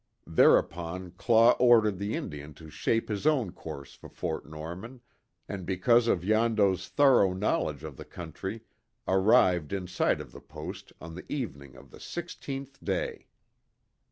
Thereupon Claw ordered the Indian to shape his own course for Fort Norman, and because of Yondo's thorough knowledge of the country, arrived in sight of the post on the evening of the sixteenth day.